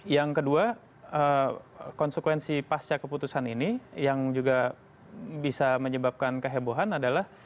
yang kedua konsekuensi pasca keputusan ini yang juga bisa menyebabkan kehebohan adalah